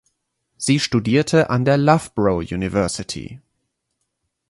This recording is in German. Sie studierte an der Loughborough University.